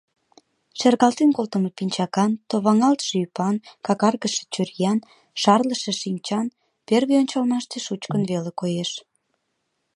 Шергален колтымо пинчакан, товаҥалтше ӱпан, какаргыше чуриян, шарлыше шинчан, первый ончалмаште шучкын веле коеш.